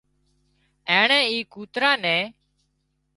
اينڻي اي ڪوترا نين